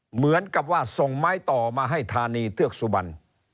เหมือนกับว่าส่งไม้ต่อมาให้ธานีเทือกสุบัน